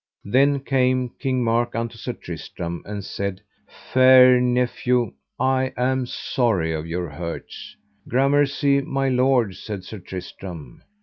Then came King Mark unto Sir Tristram and said: Fair nephew, I am sorry of your hurts. Gramercy my lord, said Sir Tristram.